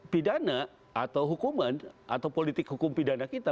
pidana atau hukuman atau politik hukum pidana kita